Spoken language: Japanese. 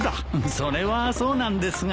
それはそうなんですが。